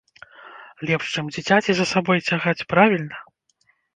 Лепш, чым дзіцяці за сабой цягаць, правільна?